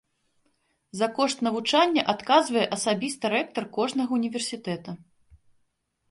За кошт навучання адказвае асабіста рэктар кожнага ўніверсітэта.